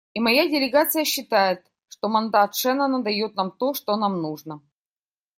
И моя делегация считает, что мандат Шеннона дает нам то, что нам нужно.